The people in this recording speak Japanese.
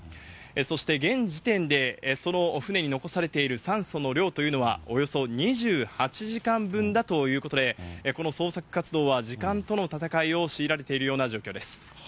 そして現時点で、その船に残されている酸素の量というのは、およそ２８時間分だということで、この捜索活動は時間との闘いを強いられているような状況です。